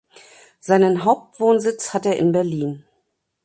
Seinen Hauptwohnsitz hat er in Berlin.